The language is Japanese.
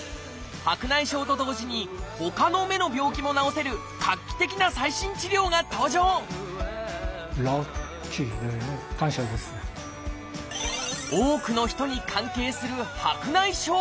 白内障と同時にほかの目の病気も治せる画期的な最新治療が登場多くの人に関係する白内障。